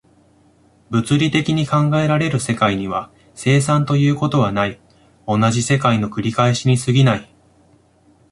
物理的に考えられる世界には、生産ということはない、同じ世界の繰り返しに過ぎない。